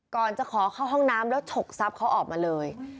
ก่อนจะขอเข้าห้องน้ำแล้วฉกทรัพย์เขาออกมาเลย